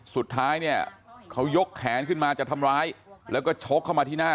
สุดท้ายเนี่ยเขายกแขนขึ้นมาจะทำร้ายแล้วก็ชกเข้ามาที่หน้า